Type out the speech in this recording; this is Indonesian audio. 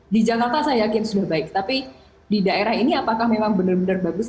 di jakarta saya yakin sudah baik tapi di daerah ini apakah memang benar benar bagus